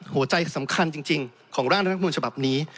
หัวใจสำคัญจริงของร่างรัฐมนุนฉบับนี้